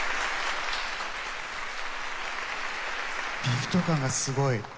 ビート感がすごい。